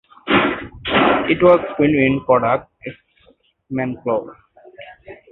It was filmed in Kodak Eastmancolor.